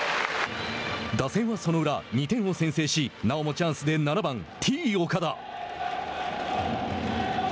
打線はその裏、２点を先制しなおもチャンスで７番Ｔ−岡田。